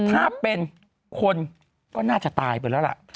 ถ้าเป็นคนก็น่าจะตายไปแล้วล่ะ